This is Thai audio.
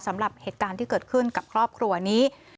สำหรับเหตุการณ์ที่เกิดขึ้นกับครอบครัวนี้